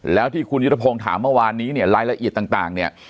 แล้วที่คุณยุทธพงศ์ถามเมื่อวานนี้เนี่ยรายละเอียดต่างเนี่ย